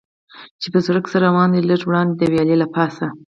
چې پر سړک څه روان دي، لږ وړاندې د ویالې له پاسه.